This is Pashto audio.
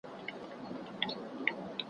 زه له سهاره د سبا لپاره د کتابونو مطالعه کوم